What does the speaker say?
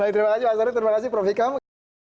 baik terima kasih mas ari terima kasih prof ikam